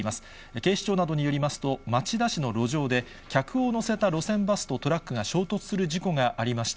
警視庁などによりますと、町田市の路上で、客を乗せた路線バスとトラックが衝突する事故がありました。